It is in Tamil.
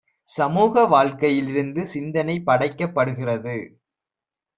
சமூக வாழ்க்கையிலிருந்து சிந்தனை படைக்கப்படுகிறது.